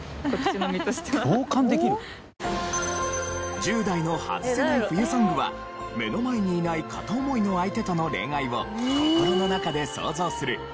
１０代のハズせない冬ソングは目の前にいない片思いの相手との恋愛を心の中で想像するこちらの曲。